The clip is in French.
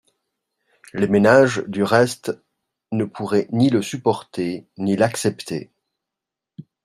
Les ménages, du reste, ne pourraient ni le supporter, ni l’accepter.